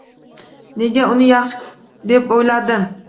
Nega uni yaxshi deb o‘yladim